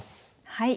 はい。